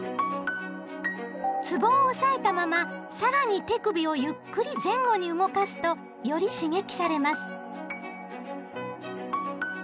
つぼを押さえたまま更に手首をゆっくり前後に動かすとより刺激されます。